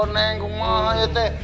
neng gue mah itu